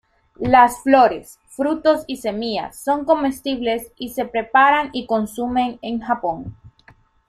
Las flores, frutos y semillas son comestibles y se preparan y consumen en Japón.